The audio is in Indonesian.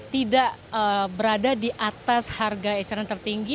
tidak berada di atas harga eceran tertinggi